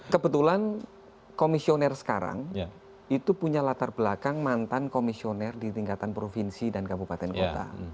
kebetulan komisioner sekarang itu punya latar belakang mantan komisioner di tingkatan provinsi dan kabupaten kota